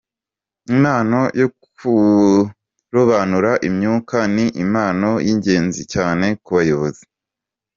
Impano yo kurobanura imyuka ni impano y’ingenzi cyane ku bayobozi.